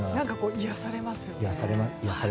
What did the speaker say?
癒やされますよね。